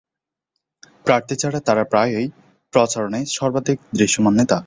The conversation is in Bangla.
প্রার্থী ছাড়া তারা প্রায়শই প্রচারণার সর্বাধিক দৃশ্যমান নেতা।